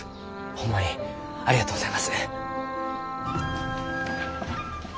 ホンマにありがとうございます。